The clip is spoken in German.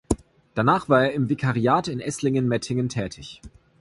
Danach war er im Vikariat in Esslingen-Mettingen tätig.